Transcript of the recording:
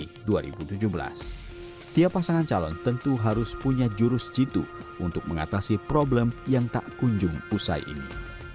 pada tahun dua ribu tujuh belas tiap pasangan calon tentu harus punya jurus jitu untuk mengatasi problem yang tak kunjung usai ini